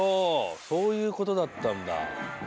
そういうことだったんだ。